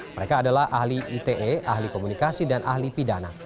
mereka adalah ahli ite ahli komunikasi dan ahli pidana